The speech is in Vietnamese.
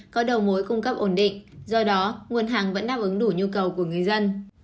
có đầu mối cung cấp ổn định do đó nguồn hàng vẫn đáp ứng đủ nhu cầu của người dân